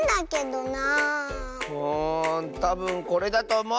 うんたぶんこれだとおもう！